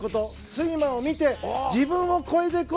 スイマーを見て自分を超えていく。